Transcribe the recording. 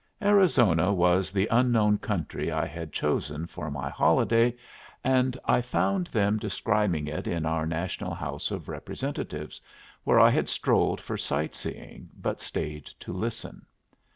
Arizona was the unknown country I had chosen for my holiday, and I found them describing it in our National House of Representatives, where I had strolled for sight seeing but stayed to listen.